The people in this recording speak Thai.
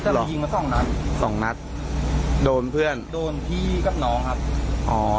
แต่เรายิงมาสองนัดสองนัดโดนเพื่อนโดนพี่กับน้องครับอ๋อ